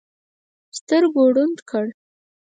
سترګو ړوند کړ.